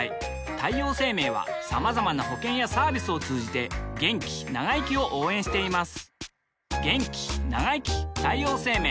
太陽生命はまざまな保険やサービスを通じて気長生きを応援しています